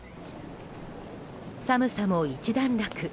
寒さも一段落。